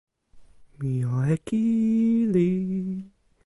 mi jo e kili.